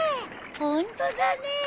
ホントだね。